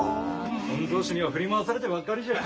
御曹司には振り回されてばっかりじゃ。